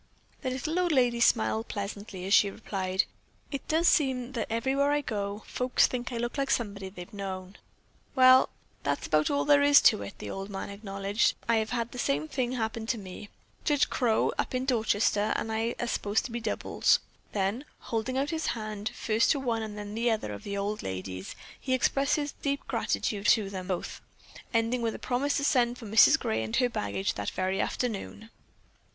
The little old lady smiled pleasantly as she replied: "It does seem that everywhere I go, folks think I look like somebody they've known." "Well, that's about all there is to it," the old man acknowledged. "I have had the same thing happen to me. Judge Crow, up in Dorchester, and I are supposed to be doubles." Then, holding out his hand, first to one and then another of the old ladies, he expressed his deep gratitude to them both, ending with a promise to send for Mrs. Gray and her baggage that very afternoon.